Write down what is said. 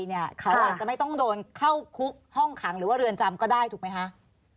เขาอาจจะไม่ต้องโดนเข้าคุกห้องขังหรือว่าเรือนจำก็ได้ถูกไหมคะ